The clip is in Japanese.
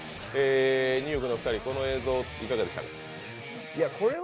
ニューヨークのお二人、この映像いかがでしたか？